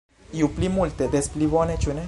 Ju pli multe, des pli bone, ĉu ne?